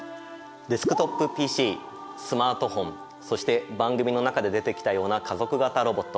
デスクトップＰＣスマートフォンそして番組の中で出てきたような家族型ロボット。